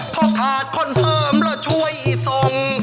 เพราะขาดคนเสริมและช่วยอีสง